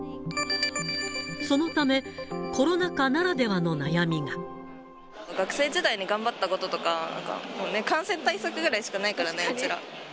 そのため、学生時代に頑張ったこととか、もうね、感染対策ぐらいしかないからね、うちら。